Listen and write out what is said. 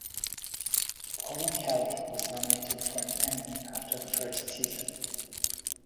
Paula Kelly was nominated for an Emmy after the first season.